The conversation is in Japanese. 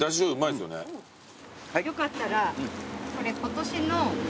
よかったらこれ。